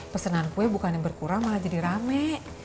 pesanan kue bukan yang berkurang malah jadi rame